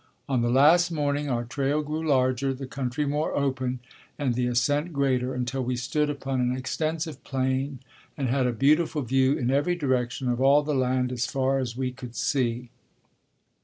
On the last morning our trail grew larger, the country more open, and the ascent greater, until we stood upon an extensive plain and had a beautiful view in every direction of all the land as far as we could see.